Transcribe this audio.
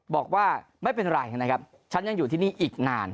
บอกว่าไม่เป็นไรนะครับฉันยังอยู่ที่นี่อีกนาน